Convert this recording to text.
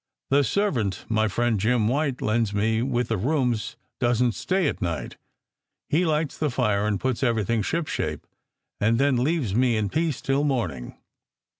The servant my friend Jim White lends me with the rooms doesn t stay at night. He lights the fire and puts everything shipshape, and then leaves me in peace till morning.